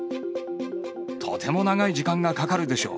とても長い時間がかかるでしょう。